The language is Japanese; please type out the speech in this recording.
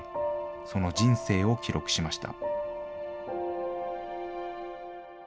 その人生を記録しました。